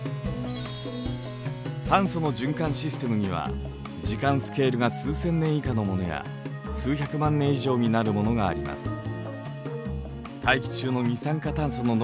炭素の循環システムには時間スケールが数千年以下のものや数百万年以上になるものがあります。